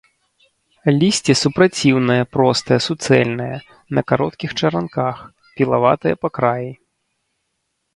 Лісце супраціўнае, простае, суцэльнае, на кароткіх чаранках, пілаватае па краі.